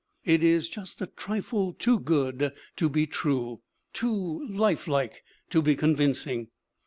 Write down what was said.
It is just a trifle too good to be true, too life like to be con vincing.